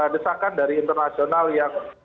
desakan dari internasional yang